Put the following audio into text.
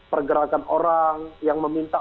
pergerakan orang yang meminta